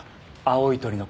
青い鳥の？